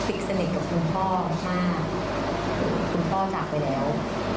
สนิทสนิทกับคุณพ่อมากคุณพ่อจากไปแล้ว